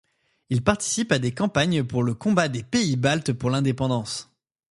Il participe à des campagnes pour le combat des Pays baltes pour l'indépendance.